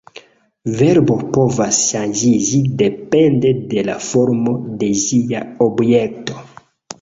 Verbo povas ŝanĝiĝi depende de la formo de ĝia objekto.